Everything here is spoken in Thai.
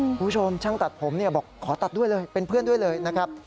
คุณผู้ชมช่างตัดผมบอกขอตัดด้วยเลยเป็นเพื่อนด้วยเลยนะครับ